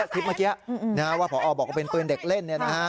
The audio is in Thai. คลิปเมื่อกี้ว่าพอบอกว่าเป็นปืนเด็กเล่น